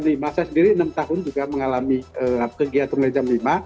lima saya sendiri enam tahun juga mengalami kegiatan mulai jam lima